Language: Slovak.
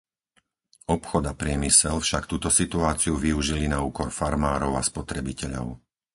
Obchod a priemysel však túto situáciu využili na úkor farmárov a spotrebiteľov.